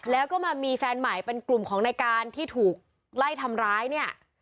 แล้วก็มามีแฟนใหม่เป็นกลุ่มของในการที่ถูกไล่ทำร้ายเนี่ย